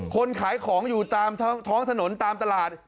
คนขายของอยู่ตามท้องถนนตามตลาด